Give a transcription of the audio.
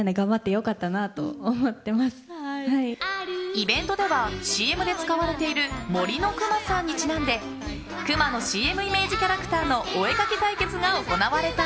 イベントではＣＭで使われている「森のくまさん」にちなんでクマのＣＭイメージキャラクターのお絵描き対決が行われた。